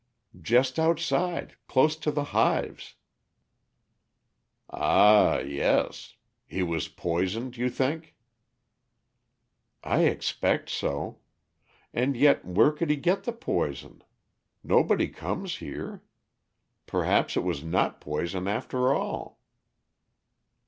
"Just outside; close to the hives." "Ah, yes. He was poisoned, you think?" "I expect so. And yet where could he get the poison? Nobody comes here. Perhaps it was not poison after all."